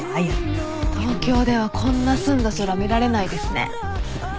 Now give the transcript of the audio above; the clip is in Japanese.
東京ではこんな澄んだ空見られないですね。